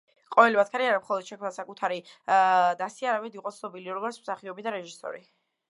ყოველი მათგანი არა მხოლოდ შექმნა საკუთარი დასი, არამედ იყო ცნობილი, როგორც მსახიობი და რეჟისორი.